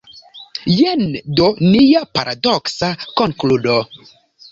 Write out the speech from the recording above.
Jen do nia paradoksa konkludo.